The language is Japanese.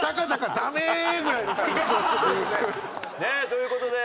という事で